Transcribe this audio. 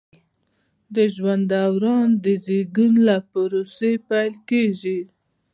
د ژوند دوران د زیږون له پروسې پیل کیږي.